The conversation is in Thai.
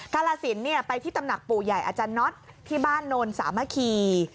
กาลสินไปที่ตำหนักปู่ใหญ่อาจารย์น็อตที่บ้านโนนสามัคคี